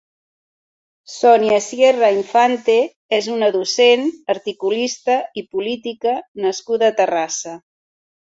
Sonia Sierra Infante és una docent, articulista i política nascuda a Terrassa.